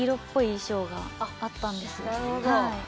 なるほど。